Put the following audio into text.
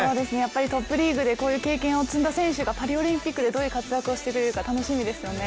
トップリーグでこういう経験を積んだ選手がパリオリンピックでどういう活躍をしてくれるか楽しみですよね。